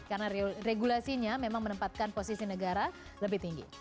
karena regulasinya memang menempatkan posisi negara lebih tinggi